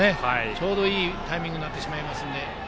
ちょうどいいタイミングになってしまいますので。